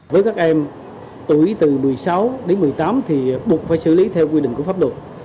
với các em tuổi từ một mươi sáu đến một mươi tám thì buộc phải xử lý theo quy định của pháp luật